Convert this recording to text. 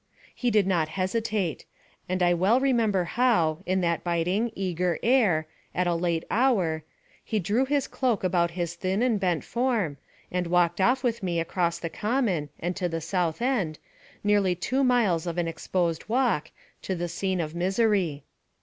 He did not hesitate; and I well remember how, in that biting, eager air, at a late hour, he drew his cloak about his thin and bent form, and walked off with me across the Common, and to the South End, nearly two miles of an exposed walk, to the scene of misery.